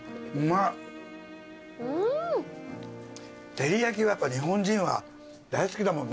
照り焼きはやっぱ日本人は大好きだもんね。